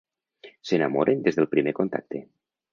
S'enamoren des del primer contacte.